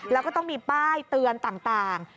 แล้วก็ต้องมีป้ายเตือนต่าง